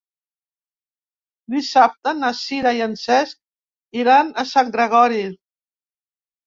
Dissabte na Sira i en Cesc iran a Sant Gregori.